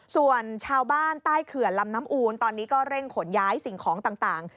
ส่วนชาวบ้านใต้เขื่อนลำน้ำอูนตอนนี้ก็เร่งขนย้ายสิ่งของต่าง